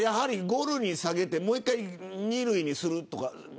５類に下げてもう一度、２類にするとか。